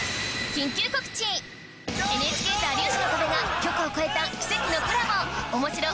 ＮＨＫと『有吉の壁』が局を越えた奇跡のコラボおもしろ